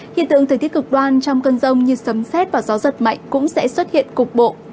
hiện tượng thời tiết cực đoan trong cơn rông như sấm xét và gió giật mạnh cũng sẽ xuất hiện cục bộ